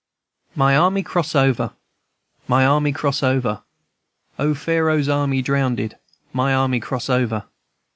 "My army cross over, My army cross over, O, Pharaoh's army drowndedl My army cross over.